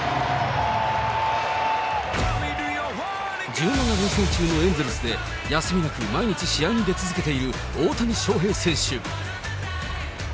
１７連戦中のエンゼルスで、休みなく毎日試合に出続けている大谷翔平選手。